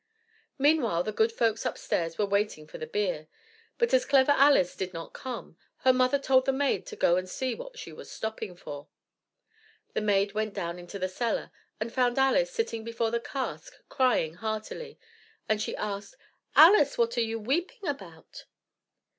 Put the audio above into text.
Meanwhile the good folks upstairs were waiting for the beer, but as Clever Alice did not come, her mother told the maid to go and see what she was stopping for. The maid went down into the cellar, and found Alice sitting before the cask crying heartily, and she asked, "Alice, what are you weeping about?"